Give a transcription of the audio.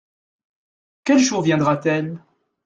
Quel jour viendra-t-elle ?